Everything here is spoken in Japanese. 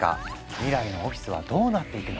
未来のオフィスはどうなっていくのか？